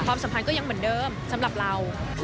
สัมพันธ์ก็ยังเหมือนเดิมสำหรับเรา